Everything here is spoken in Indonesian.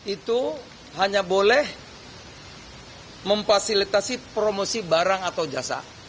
itu hanya boleh memfasilitasi promosi barang atau jasa